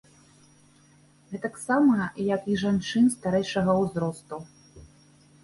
Гэтаксама, як і жанчын старэйшага ўзросту.